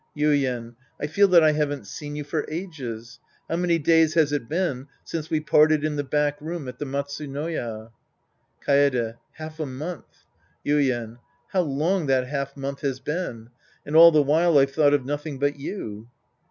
Yuien. I feel that I haven't seen you for ages. How many days has it been since we parted in the back room at the Matsunoya ? Kaede. Half a month. Yuien. How long that half month has been ! And all the while, I've thought of nothing but you.